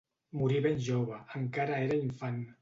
Morí ben jove, encara era infant.